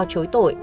cho chối tội